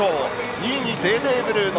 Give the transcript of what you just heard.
２位にデーデーブルーノ。